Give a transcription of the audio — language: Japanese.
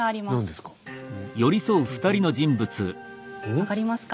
分かりますか？